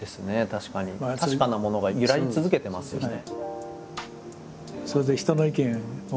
確かなものが揺らぎ続けてますよね。